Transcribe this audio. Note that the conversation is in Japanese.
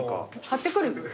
買ってくる？